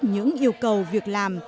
những yêu cầu việc làm